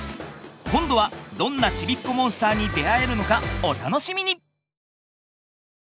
今度はどんなちびっこモンスターに出会えるのかお楽しみに！